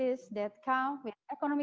yang datang dengan pembukaan ekonomi